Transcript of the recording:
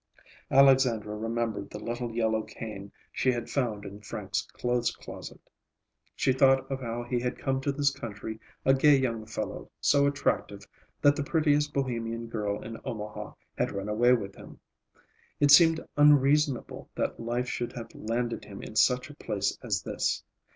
Alexandra remembered the little yellow cane she had found in Frank's clothes closet. She thought of how he had come to this country a gay young fellow, so attractive that the prettiest Bohemian girl in Omaha had run away with him. It seemed unreasonable that life should have landed him in such a place as this.